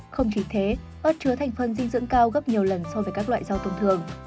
không chỉ thế ớt chứa thành phần dinh dưỡng cao gấp nhiều lần so với các loại rau thông thường